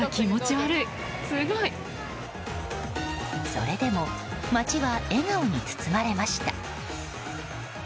それでも街は笑顔に包まれました。